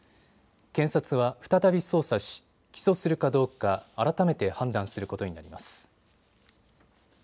検察は再び捜査し起訴するかどうか改めて判断することになります。